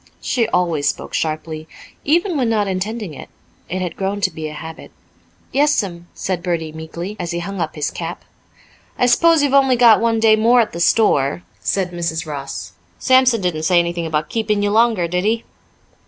She always spoke sharply, even when not intending it; it had grown to be a habit. "Yes'm," said Bertie meekly, as he hung up his cap. "I s'pose you've only got one day more at the store," said Mrs. Ross. "Sampson didn't say anything about keeping you longer, did he?"